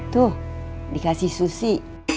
tuh dikasih susi